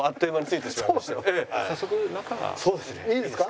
いいですか？